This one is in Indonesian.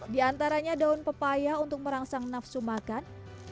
di antaranya daun pepaya untuk merangsang nafsu makan